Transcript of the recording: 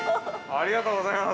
◆ありがとうございます。